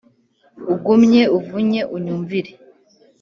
ugumye uvunye unyumvire